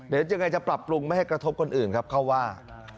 เดี๋ยวยังไงจะปรับปรุงไม่ให้กระทบคนอื่นครับเขาว่า